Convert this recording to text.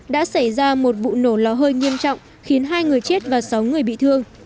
đã xảy ra một vụ nổ lò hơi nghiêm trọng khiến hai người chết và sáu người bị thương